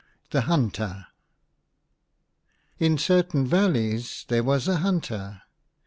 THE HUNTER. 1 N certain valleys there was a hunter.